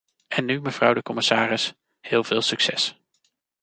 En nu mevrouw de commissaris: heel veel succes.